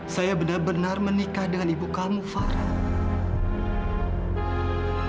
saya benar benar menikah dengan ibu kamu farah